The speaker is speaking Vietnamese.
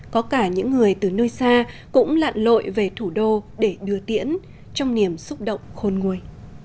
có cả những người từ nơi xa cũng lặn lội về thủ đô để đưa tiễn trong niềm xúc động khôn nguồi